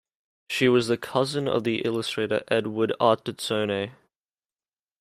She was the cousin of the illustrator Edward Ardizzone.